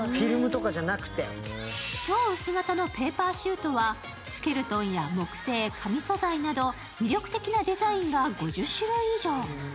超薄型のペーパーシュートはスケルトンや木製、紙素材など魅力的なデザインが５０種類以上。